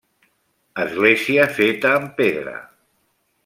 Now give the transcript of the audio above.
Església feta amb pedra.